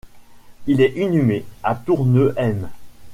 Il est inhumé à Tournehem.